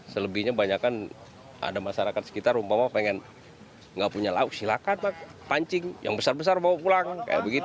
selebihnya banyak kan ada masyarakat sekitar umpama pengen nggak punya lauk silakan pak pancing yang besar besar bawa pulang